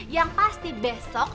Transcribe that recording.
yang pasti besok